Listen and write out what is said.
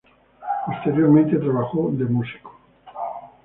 Posteriormente trabajó de músico.